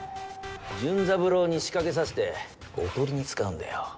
純三郎に仕掛けさせて囮に使うんだよ。